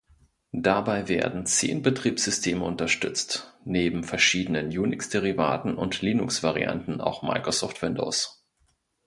Dabei werden zehn Betriebssysteme unterstützt, neben verschiedenen Unix-Derivaten und Linux-Varianten auch Microsoft Windows.